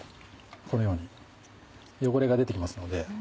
このように汚れが出てきますので。